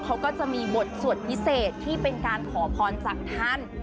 เขาก็จะมีบทสวดพิเศษที่เป็นการขอพรจากท่าน